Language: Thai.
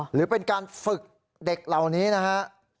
หรือเป็นการฝึกเด็กเหล่านี้นะฮะ